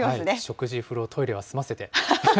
食事、風呂、トイレは済ませて。